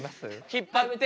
引っ張って。